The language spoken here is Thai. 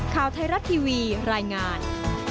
ข่าวไทยรัฐทีวีรายงาน